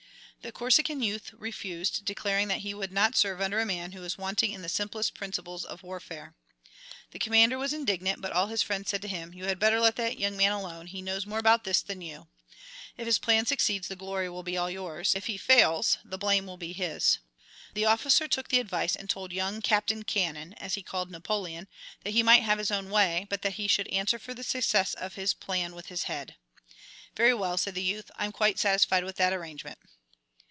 The Corsican youth refused, declaring that he would not serve under a man who was wanting in the simplest principles of warfare. The commander was indignant, but all his friends said to him, "You had better let that young man alone, he knows more about this than you. If his plan succeeds the glory will all be yours; if he fails the blame will be his." The officer took the advice and told young "Captain Cannon," as he called Napoleon, that he might have his own way, but that he should answer for the success of his plan with his head. "Very well," said the youth, "I'm quite satisfied with that arrangement."